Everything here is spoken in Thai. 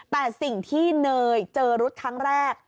แต่สิ่งที่เนยเจอรุ๊ดครั้งแรก